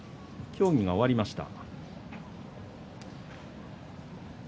協議が終わりました。